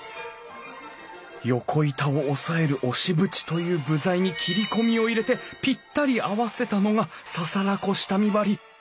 横板を押さえる押縁という部材に切り込みを入れてぴったり合わせたのが簓子下見張り。